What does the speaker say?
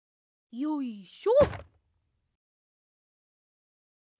よいしょ！